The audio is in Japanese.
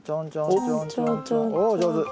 おお上手。